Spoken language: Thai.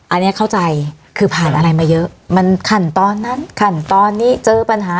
อันนี้เข้าใจคือผ่านอะไรมาเยอะมันขั้นตอนนั้นขั้นตอนนี้เจอปัญหา